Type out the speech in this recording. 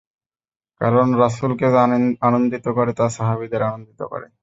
কারণ রাসূলকে যা আনন্দিত করে তা সাহাবীদের আনন্দিত করে।